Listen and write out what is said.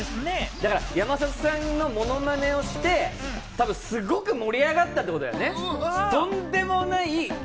山里さんのものまねをして、たぶんすごく盛り上がったってことだよね。